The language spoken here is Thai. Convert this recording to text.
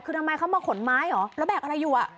คือทำไมเขามาขนไม้เหรอแล้วแกกอะไรอยู่อ่ะ